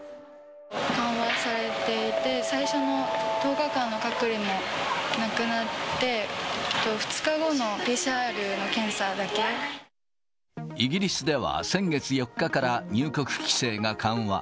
緩和されていて、最初の１０日間の隔離もなくなって、イギリスでは、先月４日から入国規制が緩和。